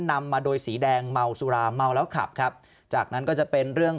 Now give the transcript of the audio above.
นำมาโดยสีแดงเมาสุราเมาแล้วขับครับจากนั้นก็จะเป็นเรื่อง